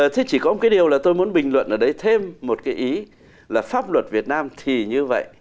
thế chỉ có một cái điều là tôi muốn bình luận ở đấy thêm một cái ý là pháp luật việt nam thì như vậy